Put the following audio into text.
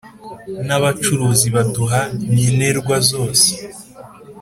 N’abacuruzi baduha nkenerwa zose